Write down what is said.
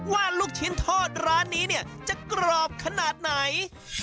ลูกชิ้นทอดร้านนี้เนี่ยจะกรอบขนาดไหน